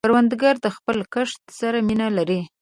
کروندګر د خپل کښت سره مینه لري